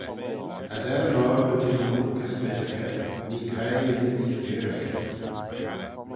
As er-yn-oyr dy jean olkys bishaghey, nee graih ymmodee feayraghey.